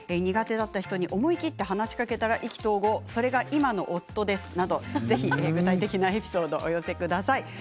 苦手だった人に思い切って話しかけたら意気投合それが今の夫です、などぜひ具体的なエピソードをお寄せください。